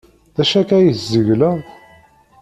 D acu akka ay tzegleḍ?